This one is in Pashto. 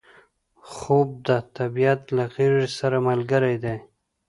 خوب د طبیعت له غیږې سره ملګری دی